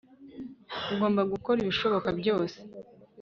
ugomba gukora ibishoboka byose